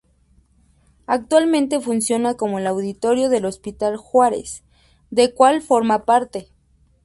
Actualmente funciona como auditorio del Hospital Juárez, del cual forma parte.